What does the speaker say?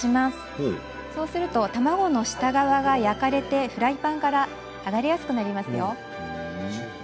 そうすると卵の下側が焼かれてフライパンから剥がれやすくなりますよ。